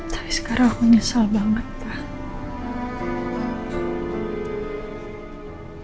tapi sekarang aku menyesal banget pak